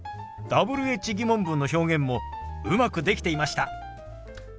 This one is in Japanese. Ｗｈ−疑問文の表現もうまくできていました。